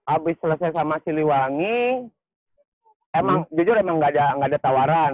abis selesai sama siliwangi emang jujur emang gak ada tawaran